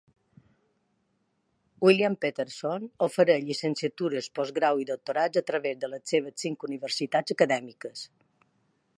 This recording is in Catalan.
William Paterson ofereix llicenciatures, postgraus i doctorats a través de les seves cinc universitats acadèmiques.